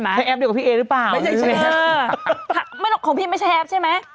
มันแหละของพี่ไม่ใช้แอปใช่ไหม